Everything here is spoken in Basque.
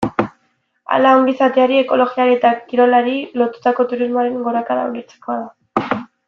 Hala, ongizateari, ekologiari eta kirolari lotutako turismoaren gorakada ulertzekoa da.